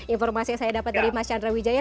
informasi yang saya dapat dari mas chandra wijaya